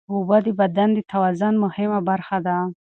اوبه د بدن د توازن مهمه برخه ده.